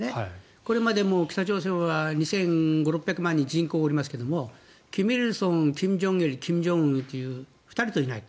これまでも北朝鮮は２５００２６００万人人口がありますが金日成、金正日と２人といない。